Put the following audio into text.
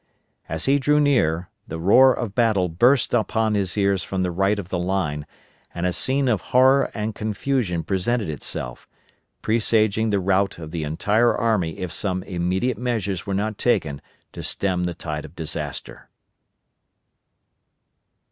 As he drew near, the roar of battle burst upon his ears from the right of the line and a scene of horror and confusion presented itself, presaging the rout of the entire army if some immediate measures were not taken to stem the tide of disaster.